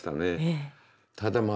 ただまあ